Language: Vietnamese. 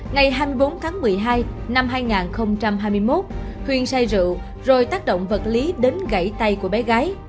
ngày hai mươi bốn tháng một mươi hai năm hai nghìn hai mươi một huyền say rượu rồi tác động vật lý đến gãy tay của bé gái